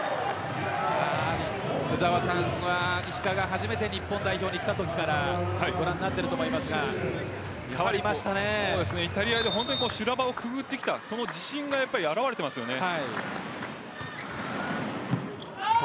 福澤さんは石川が初めて日本代表に来たときからご覧になっていると思いますがイタリアで修羅場をくぐってきたその自信がやっぱり表れていますよね。